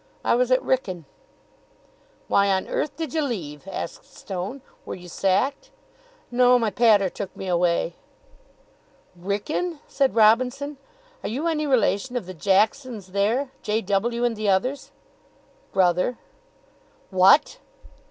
"I was at Wrykyn." "Why on earth did you leave?" asked Stone. "Were you sacked?" "No. My pater took me away." "Wrykyn?" said Robinson. "Are you any relation of the Jacksons there J. W. and the others?" "Brother." "What!"